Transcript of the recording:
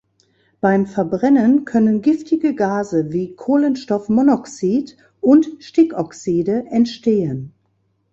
Beim Verbrennen können giftige Gase wie Kohlenstoffmonoxid und Stickoxide entstehen.